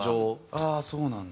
ああそうなんだ。